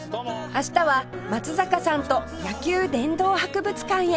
明日は松坂さんと野球殿堂博物館へ